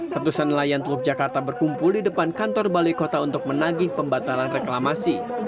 ratusan layan truk jakarta berkumpul di depan kantor balik kota untuk menagih pembatalan reklamasi